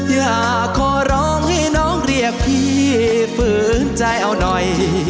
อยากขอร้องให้น้องเรียกพี่ฝืนใจเอาหน่อย